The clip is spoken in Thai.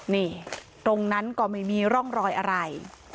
นี่ตรงนั้นก็ไม่มีร่องรอยอะไร